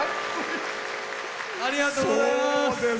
ありがとうございます。